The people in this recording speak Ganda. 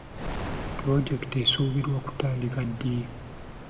Pulojekiti esuubirwa kutandika ddi?